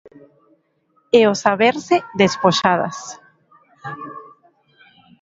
E o saberse despoxadas.